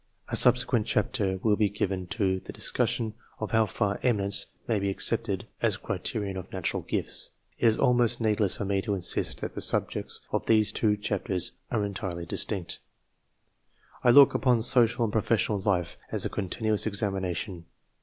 A subsequent chapter will be given to the discussion of how far eminence" may be accepted as a criterion of natural ifts. It is almost needless for me to insist that the sub jects of these two chapters are entirely distinct. I look upon social and professional life as a continuous examination.